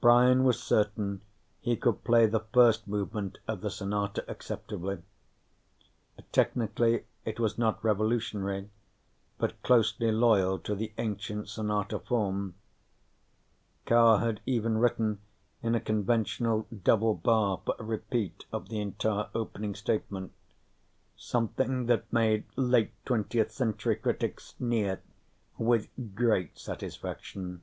Brian was certain he could play the first movement of the sonata acceptably. Technically, it was not revolutionary, but closely loyal to the ancient sonata form. Carr had even written in a conventional double bar for a repeat of the entire opening statement, something that made late 20th century critics sneer with great satisfaction.